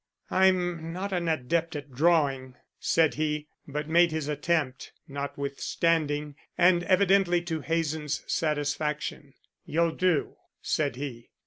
"I'm not an adept at drawing," said he, but made his attempt, notwithstanding, and evidently to Hazen's satisfaction. "You'll do," said he.